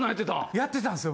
やってたんすよ